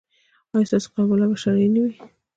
ایا ستاسو قباله به شرعي نه وي؟